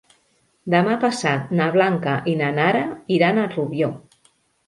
Demà passat na Blanca i na Nara iran a Rubió.